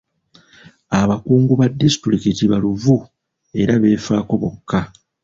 Abakungu ba disitulikiti baluvu era beefaako bokka.